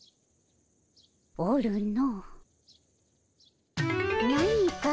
おるの。